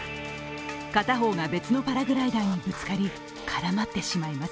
片方が別のパラグライダーにぶつかり、絡まってしまいます。